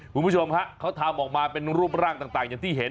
คุณผู้ชมฮะเขาทำออกมาเป็นรูปร่างต่างอย่างที่เห็น